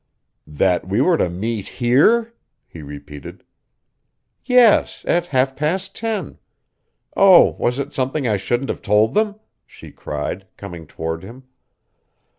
"That we were to meet here?" he repeated. "Yes, at half past ten oh, was it something I shouldn't have told them?" she cried, coming toward him.